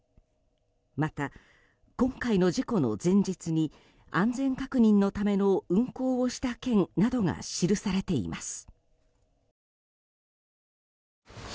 また、今回の事故の前日に安全確認のための運航をした件などが記されています。